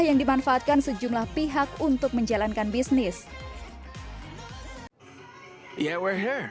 yang mereka cintai fenomena ini bisa menyebabkan penyebaran seseorang yang barbara tanpa tersenyum